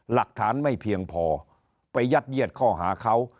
หลักฐานไม่เพียงพอไปยัดเยียดข้อหาเขา